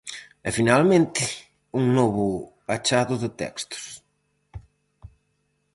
E finalmente, un novo achado de textos.